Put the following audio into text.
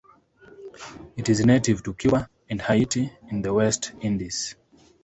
It is native to Cuba and Haiti in the West Indies.